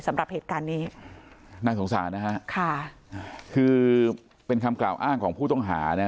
สำหรับเหตุการณ์นี้น่าสงสารนะฮะค่ะคือเป็นคำกล่าวอ้างของผู้ต้องหานะ